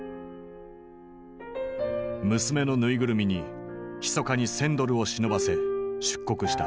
娘の縫いぐるみにひそかに１，０００ドルを忍ばせ出国した。